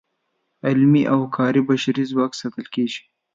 علمي او کاري بشري ځواک ساتل کیږي.